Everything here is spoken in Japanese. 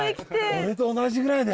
俺と同じぐらいだ。